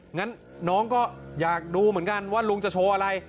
งั้นน้องก็อยากดูเหมือนกันว่าลุงจะโชว์อะไร